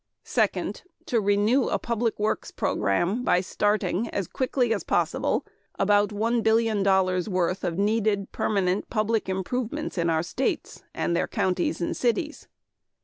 Second, to renew a public works program by starting as quickly as possible about one billion dollars worth of needed permanent public improvements in our states, and their counties and cities.